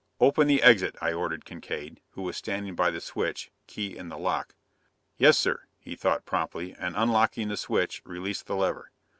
"Open the exit," I ordered Kincaide, who was standing by the switch, key in the lock. "Yes, sir," he thought promptly, and unlocking the switch, released the lever.